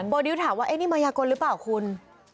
โบดิวถามว่านี่มายากลหรือเปล่าคุณ